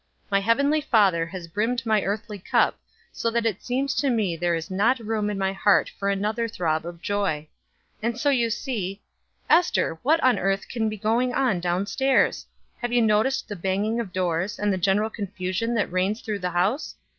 My Heavenly Father has brimmed my earthly cup, so that it seems to me there is not room in my heart for another throb of joy; and so you see Ester, what on earth can be going on down stairs? Have you noticed the banging of doors, and the general confusion that reigns through the house?